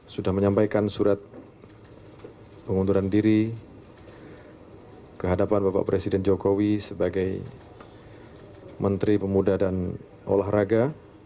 sudah menyampaikan surat pengunturan diri kehadapan bapak presiden jokowi sebagai menteri pemuda dan olahraga